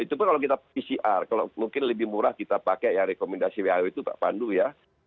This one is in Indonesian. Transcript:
itu pun kalau kita pcr kalau mungkin lebih murah kita pakai ya rekomendasi who itu pak pandu ya